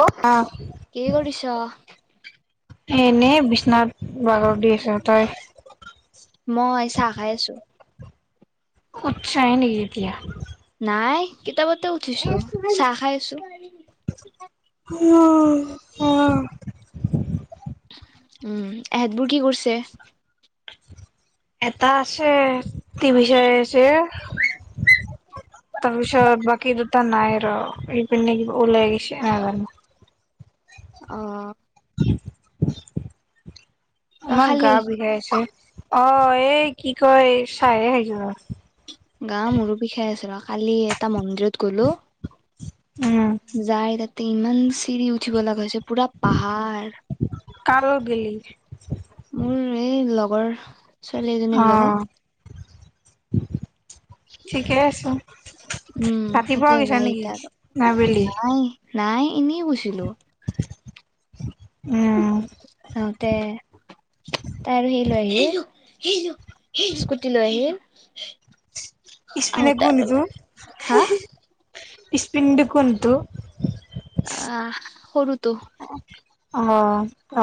অ আহ। কি কৰিছ? এনেই বিশ্বনাথ বঘৰ দি আছে তাই মই চাহ খাই আছো। ক চাই নেকি এতিয়া নাই কেতিয়াবাতে উঠিছো, চাহ খাই আছো। আহ আহ। উম এহতবোৰ কি কৰিছে? এটা আছে তি বিষয় আছে, তাৰপিছত বাকী দুটা নাই। ত এই পিনে ওলাইগৈছে। অ। অ। তই আমাৰ গা খালি? বিষাইছে। অ এই কি কয় চাহে খাইছোঁ ৰহ। গা মোৰো বিষাই আছিল ৰ, কালি এটা মন্দিৰত গলো। উম। যাই তাতে ইমান চিৰি উঠিব লগা হৈছে পুৰা পাহাৰ। কাৰ লগত গলি? ওপৰ ছোৱালী এজনী অ লগত। ঠিকে আছো, উম, তাতে ৰাতিপুৱা গৈছা যাই নেকি এতিয়া আৰু না আবেলি? নাই, নাই এনেই কৈছিলোঁ। [inaudible] আওঁতে তাই আৰু সেই লৈ আহি সেইটো। স্কুটি লৈ আহিল। উ, পিছফালে কোন এইটো। পিছপিনে কোন এইটো। অ সৰুটো। অ' [unintelligible] অ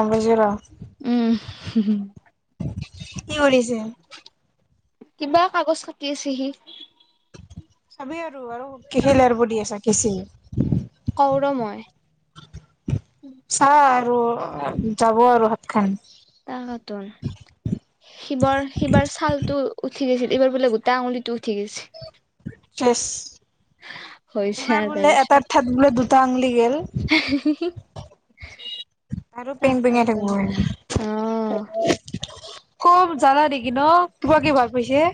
উম, কি কৰিছে? কিবা কাগজ কতি আছেহি। চাবি আৰু -আৰু কআৰু দি আছা কেচি কওঁ ৰহ মই। চা আৰু যাব আৰু হাত খান। তাহাতৰ শিৱৰ -শিৱৰ ছালতটো উঠি গৈছিল এইবাৰ বোলে গোটা আঙুলিটো উঠি গৈছে। চেছ। হৈছে এইবাৰ আৰু বোলে তাৰপিছত এটা ঠাইত বোলে দুটা। টা আঙুলি গেল। [unintelligible] [inaudible] আৰু পেং পেঙাই তাকেতোন অ', ঠাকব [unintelligible] খুব জালা দি [unintelligible] কি ভাল পাইছে।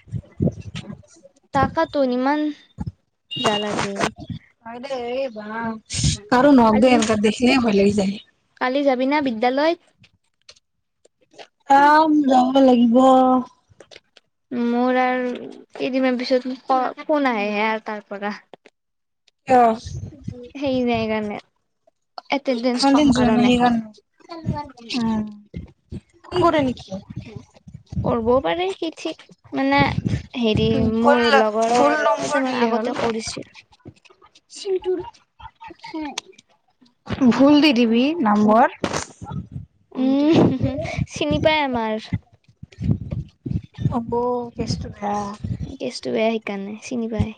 তাকেতোন ইমান জ্বালা দিয়ে। হয় দেই বা কাৰো নওখ কালি দে এনেকা দেখিলে ভয় লাগি যায় দে যাবি না বিদ্যালয়ত আহ যাব লাগিব মোৰ আৰু কেইদিনমান পিছত ফোন আহেহে আৰু তাৰ পৰা কিয় সেই যে এইকাৰণে এতেন্দেন্স ইমান কম দিন যোৱা কাৰণ নাই সেইকাৰণে। উম ফোন কৰে নেকি? কৰিবও পাৰে কি ঠিক মানে হেৰি ভুল মোৰ লগৰ ভুল নম্বৰ কেইটামান দিলে হ'ল আগতে কৰিছিল। চিলটুৰ ভুল দি দিবি নাম্বৰ উ উম চিনি পায় আমাৰ হ'ব [unintelligible] কেচটো টো বেয়া সেইকাৰণে চিনি পাই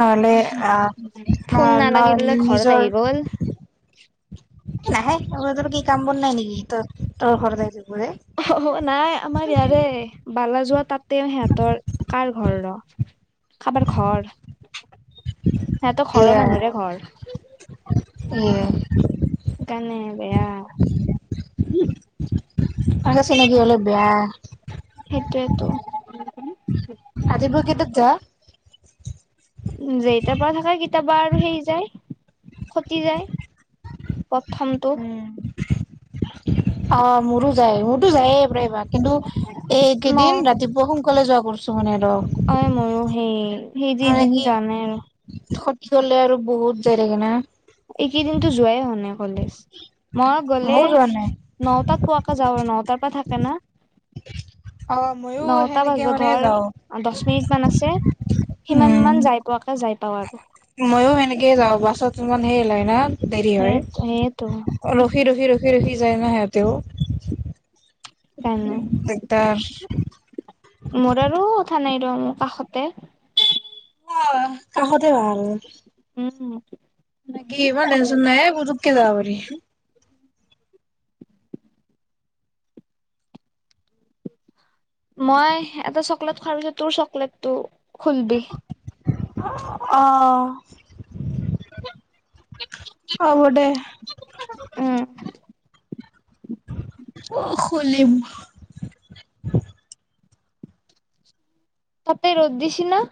নহলে আহ ফোন ন নালাগি বোলে ঘৰত আহি নিজৰ গ'ল নাহে আৰু কি কাম বন নাই নেকি তৰ ঘৰত আহিবলে অ নাই আমাৰ ইয়াৰে বালাজোৱা তাতেও সিহঁতৰ কাৰ ঘৰ ৰ কাৰোবাৰ ঘৰ সিহঁতৰ তো ঘৰৰ এয়া মানুহৰে ঘৰ এ সেইকাৰণে বেয়া আগতে চিনাকি হলে অলপ বেয়া সেইটোৱেটো ৰাতিপুৱা কেইটাত যা যেটাৰ পৰা থকা কিতাবা আৰু হেৰি যায় খতি যায় প্ৰথমটো অ মোৰো যাই মোৰতো যায়ে প্ৰায়ব কিন্তু ন এইকেইদিন ৰাতিপুৱা সোনকালে যোৱা কৰো [unintelligible] অ ময়ো সেই সেই মানে যিদিন কি যোৱা নাই আৰু সতি হলে আৰু বহুত [unintelligible] এইকেইদিনতো যোৱাই হোৱা নাই কলেজ মই গ'লে ময়ো যোৱা নাই নহতাত পোৱাকে যাওঁ নহ তাৰ পৰা থাকে ন অ ময়ো নটা সেনেকে বাজব মানে ধৰ যাওঁ দহ মিনিট মান আছে সিমান মান যাই পোৱাকে যাই পৱাকে। তাৰ মইও সেনেকে যাওঁ বাছত ইমান হেৰিলাই না দেৰি সেই সেইটো হয় ৰখি ৰখি ৰখি ফিৰ স যাই ন হে তেও [unintelligible] তেওঁ কাষতে অঁ কাষতে ভাল উম ন কি ইমান টেনচন নাই পুতুকে য পাৰি মই এটা চকলেট খোৱাৰ পাছত তোৰ চকলেটটো খুলবি অঁ অঁ দে ঘৰতে উম অঁ খুলিম তাতে ৰদ দিছে না।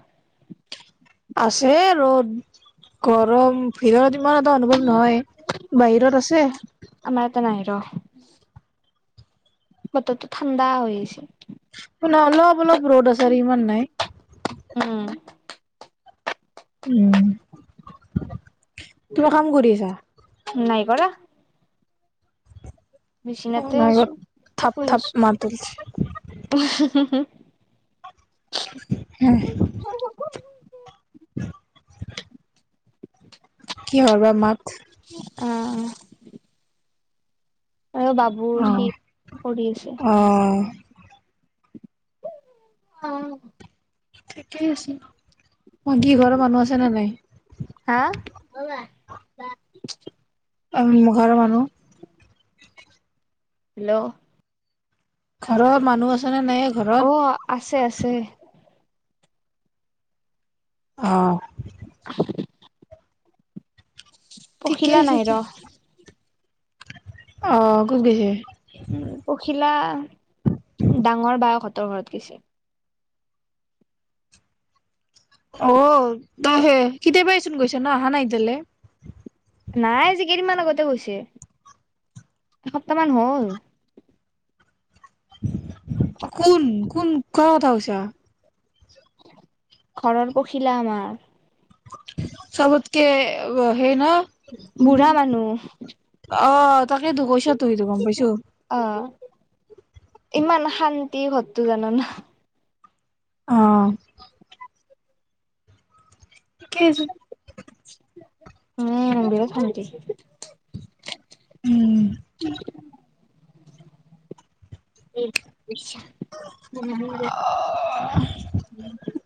আছে ৰ গৰম ভিৰতৰ। ইমান এটা অনুভৱ নহয় বাহিৰত আছে।। এনাই বতৰতটো ঠাণ্ডা হৈ আছে।। ন অলপ।। অলপ ৰ'দ আছে ইমান নাই,, উম উম।। কিবা কাম কৰিছা? নাই কৰা। অ', বিচনাতে নাই ৰ আছো থাপ শুই থাপ আছো। মাত ওলছে হয়। [unintelligible] কিহৰ বা মাক আঁহ আৰু বাবুৰ সি অ' কৰি আছে অ' অঁ ঠিকেই আছো। মই কি ঘৰৰ মানুহ আছে ন নাই। ব [unintelligible] উম ঘৰৰ মানুহ [inaudible] হেল্ল', ঘৰৰ মানুহ আছে নে নাই ঘৰত? অঁ আছে আছে। অঁ, [unintelligible] পখিলা নাই ৰ, আহ কত গৈছে। উম পখিলা ডাঙৰ বায়েকহতৰ। তাই ঘৰত গৈছে। অঁ তইহে কেতিয়াবাচোন গৈছ ন অহা নাইএতিয়ালকৈ। নাই আজিকেইদিনমান আগতে গৈছে এসপ্তাহ মান হল কোন কোন কাৰ কথা কৈছা ঘৰৰ পখিলা আমাৰ চবতকে অ সেই ন বুঢ়া মানুহ অ তাকে দু পইছা তু সিটো গম পাইছো অ'। ইমান শান্তি ঘৰতো জানানা। অহ, ঠিকে আছে। উম বহুত শান্তি। [inaudible] উম, [unintelligible] বুজিছা [unintelligible]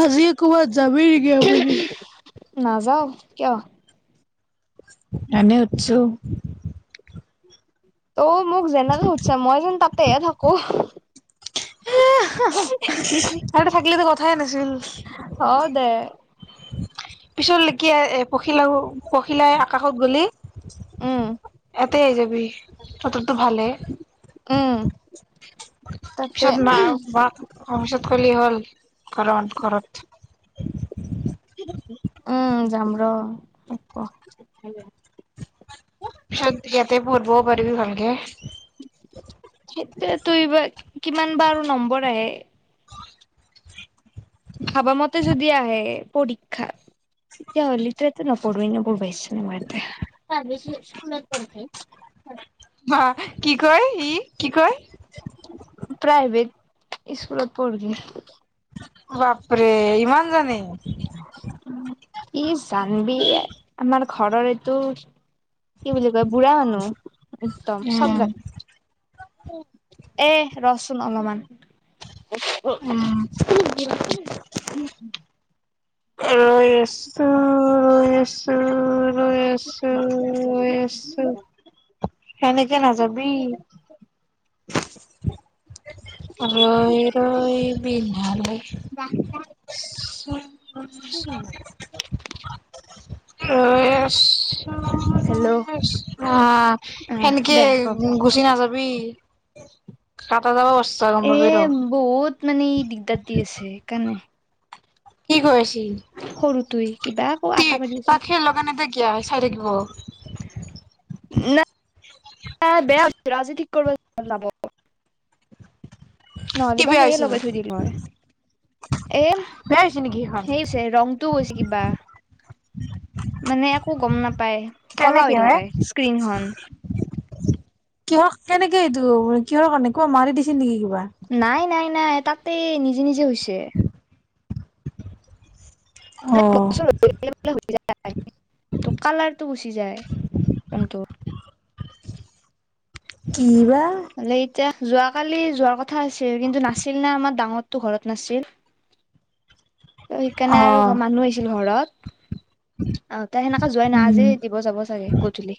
আজি কবাত যাবি নেকি আবেলি? নাযাও কিয়? এনে সুধছো। [inaudible] অহ, মোক যেনেকে সুধচা মই যেন তাক সেয়া থাকো। হে হা - হা - হা আৰু এটা থাকলিতো কথাই নাছিল। অ', দে। পিছৰ লেকি [unintelligible] পখিল আৰু। পখিলাই আকাশত গলি। উম, এতে আহি যাবি বতৰটো ভালহে। উম, তাতে পিছত মা আৰু [unintelligible] কলি হল কাৰণ ঘৰত। [unintelligible] উম যাম ৰহ [unintelligible] থাক ইয়াতে পৰভো পাৰিবি ভালকে। [inaudible] সেটোৱে তুই বা কিমান বা আৰু নম্বৰ আহে। ভাবা মতে যদি আহে পৰীক্ষাত তেতিয়াহলি ত এতে নপঢ়ো এনেও পঢ়ব ইচ্ছা নাই মোৰ এতে প্ৰাইভেট স্কুলত পঢ়বি প্ৰাইভেট। অহ কি কয় ই কি কয়? [inaudible] প্ৰাইভেট স্কুলত পঢ়বি। বাপৰে ইমান জানে। ই জানবি ইয়া আমাৰ ঘৰৰ এইটো কি বুলি কয় বুঢ়া মানুহ একদম চব উম জানে। এ ৰহ চোন অলমান। উম [unintelligible] [unintelligible] [unintelligible] চোৰ। ৰৈ আছো- ৰৈ আছো তেনেকে নাযাবি ৰৈ ৰৈ বিনালে [inaudible] উ [unintelligible] এএ হেল্ল' অ আহ সেনেকে দে ক গুচি নাযাবি কাটা যাব গম এ পাবি ৰ বহুত মানে ই দিগদাৰ দি আছে সেইকাৰণে কি কৰিছে সৰুটোৱে কিবা আকৌ তে আটা পাৰি তাত হে লগা নাই তই কিয়া চাই থাকিব উ ন বেয়া ৰাজনীতি কৰিব যাব নহ'লে কি বা বেয়া সেয়ে হৈছে লগাই থৈ দিলো হয় এ বেয়া হৈছে নেকি সেইখন সেই হৈছে ৰংটোও গৈছে কিবা মানে একো গম নাপ পায় ক'লা হৈ কেনেকে হে থাকে স্কিণখন কিহৰ কেনেকে এইটো ম কিহৰ কাৰণে কবা মাৰি দিছিল নেকি কিবা নাই নাই নাই তাতে নিজে নিজে হৈছে অ [unintelligible] কালাৰটো গুচি যায় টো কি বা লে এতিয়া যোৱাকালি যোৱাৰ কথা আছিল কিন্তু নাছিল নে আমাৰ ডাঙৰটো ঘৰত নাছিল ত অ সেইকাৰণে আৰু ঘ মানুহ আহিছিল ঘৰত অহ তাই সেনেকা যোৱাই নাই আজি উম দিব যাব চাগে গধূলি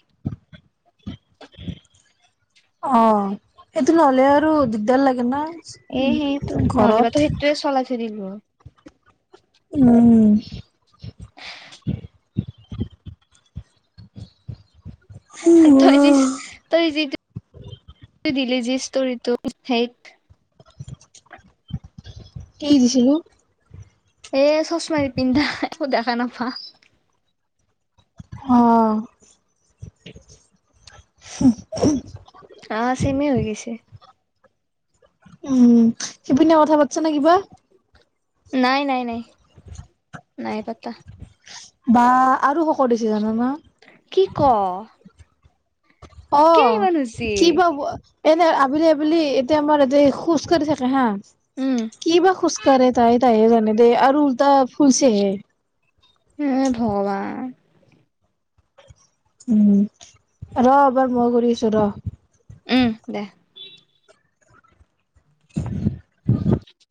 অ এইটো নহ'লে আৰু দিগদাৰ লাগে না ঘৰত চৰিব উম। [inaudible] তই যি, তই যি দিলি যি ইস্তৰিটো সেইট কি দিছিলো? এ চচমাৰী পিন্ধা, একো দেখা নাপা। অঁ হোমহ অঁ চেমে হৈ গৈছে। উম সিপিনে কথা পাতিছে নে কিবা? নাই নাই নাই। নাই পাতা। বা আৰু শকত হৈছে জানা কি ক? অ কিয় ইমান হৈছে? কি পাব এনে আবেলি আবেলি, এতিয়া আমাৰ ইয়াতে খোজ কাঢ়ি থাকে হা। কিবা খোজকাঢ়ে তাই তাইহে জানে দেই আৰু উল্টা ফুলছেহে হে ভগৱান। উম ৰ এবাৰ মই কৰি আছো, ৰ। উম দে। উম